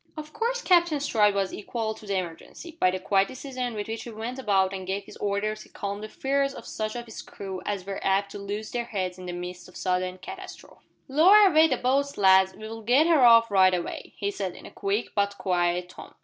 Of course Captain Stride was equal to the emergency. By the quiet decision with which he went about and gave his orders he calmed the fears of such of his crew as were apt to "lose their heads" in the midst of sudden catastrophe. "Lower away the boats, lads. We'll get her off right a way," he said, in a quick but quiet tone.